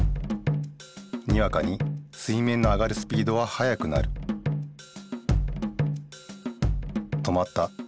にわかに水面の上がるスピードは速くなる止まった。